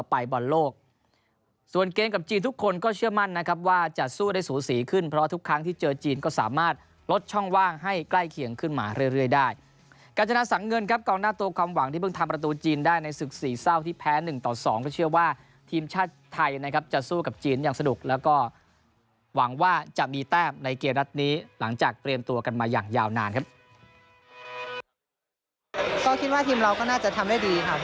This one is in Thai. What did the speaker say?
ในหน้าตัวความหวังที่เพิ่งทำประตูจีนได้ในศุกย์ศรีเศร้าที่แพ้หนึ่งต่อสองก็เชื่อว่าทีมชาติไทยนะครับจะสู้กับจีนอย่างสนุกแล้วก็หวังว่าจะมีแต้มในเกมรัฐนี้หลังจากเตรียมตัวกันมาอย่างยาวนานครับ